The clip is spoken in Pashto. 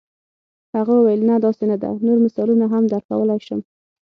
هغه وویل نه داسې نه ده نور مثالونه هم درکولای شم.